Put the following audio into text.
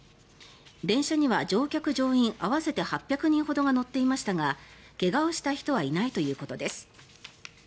電車には乗客・乗員合わせて８００人ほどが乗っていましたが怪我をした人はいないということです。